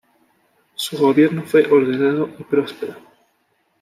Su gobierno fue ordenado y próspero.